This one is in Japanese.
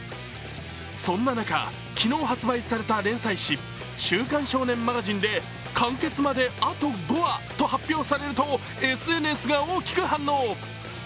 そんな中、昨日発売された連載誌「週刊少年マガジン」で完結まであと５話と発表されると、ＳＮＳが大きく反応。